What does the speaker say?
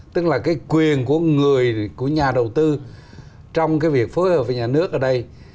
tức là cái quyền của nhà đầu tư trong cái việc phối hợp với nhà nước ở đây